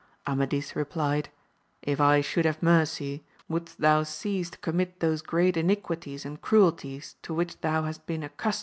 Amadis replied. If I should Jiave mercy, wouldst thou cease to commit those great iniquities and cruelties to which thou hast been accush 16—2 '244